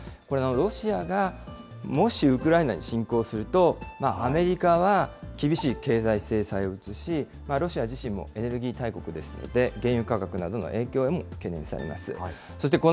これ、ロシアがもしウクライナに侵攻すると、アメリカは厳しい経済制裁に移し、ロシア自身もエネルギー大国ですし、原油価格などへの影響も懸念されます。